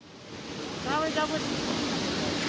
kenapa di cabut